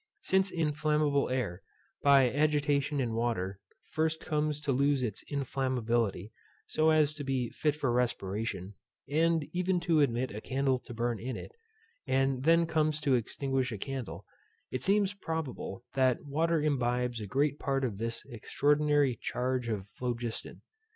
Since inflammable, air, by agitation in water, first comes to lose its inflammability, so as to be fit for respiration, and even to admit a candle to burn in it, and then comes to extinguish a candle; it seems probable that water imbibes a great part of this extraordinary charge of phlogiston.